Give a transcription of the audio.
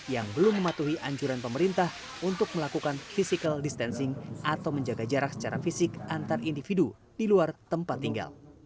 yang belum mematuhi anjuran pemerintah untuk melakukan physical distancing atau menjaga jarak secara fisik antar individu di luar tempat tinggal